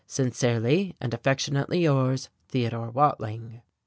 Sincerely and affectionately yours, Theodore Watling."